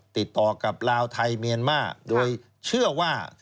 ติดต่อกับลาวไทยเมียนมาก